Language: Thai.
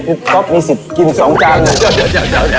พี่ก๊อปมีสิทธิ์กิน๒จานเลย